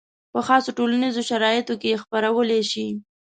په خاصو ټولنیزو شرایطو کې یې خپرولی شي.